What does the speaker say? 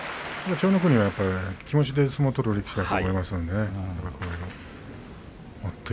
千代の国は気持ちで相撲を取る力士だと思います。